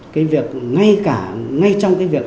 cái việc ngay cả ngay trong cái việc